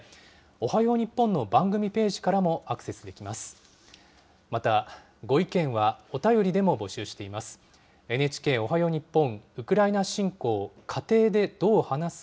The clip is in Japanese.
おはよう日本の番組ページからもアクセスできます。